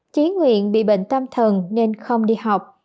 chí nguyễn bị bệnh tam thần nên không đi học